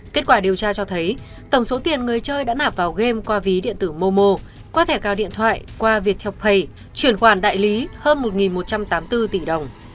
kết quả điều tra cho thấy tổng số tiền người chơi đã nạp vào game qua ví điện tử momo qua thẻ cao điện thoại qua viettel pay chuyển khoản đại lý hơn một một trăm tám mươi bốn tỷ đồng